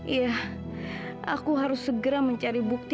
iya aku harus segera mencari bukti